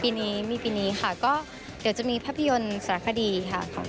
ปีนี้มีปีนี้ค่ะก็เดี๋ยวจะมีภาพยนตร์สารคดีค่ะ